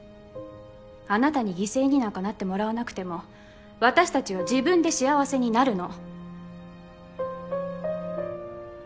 あなたに犠牲になんかなってもらわなくても私たちは自分で幸せになるの。